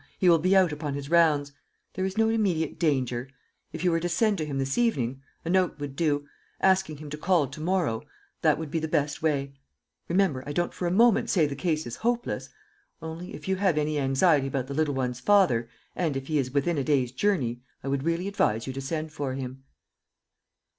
He will be out upon his rounds. There is no immediate danger. If you were to send to him this evening a note would do asking him to call to morrow that would be the best way. Remember, I don't for a moment say the case is hopeless. Only, if you have any anxiety about the little one's father, and if he is within a day's journey, I would really advise you to send for him."